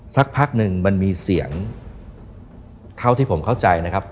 สักพักหนึ่งมันมีเสียงเท่าที่ผมเข้าใจนะครับ